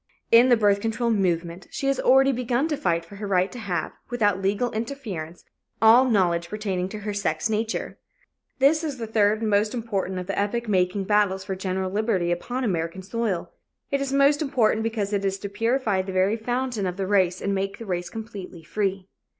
In the birth control movement, she has already begun to fight for her right to have, without legal interference, all knowledge pertaining to her sex nature. This is the third and most important of the epoch making battles for general liberty upon American soil. It is most important because it is to purify the very fountain of the race and make the race completely free.